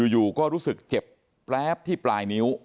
อยู่ก็รู้สึกเจ็บแป๊บที่ปลายนิ้ว